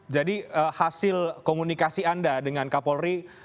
jadi hasil komunikasi anda dengan kapolri